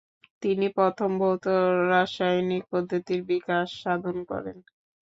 তিনি প্রথম ভৌত-রাসায়নিক পদ্ধতির বিকাশ সাধন করেন।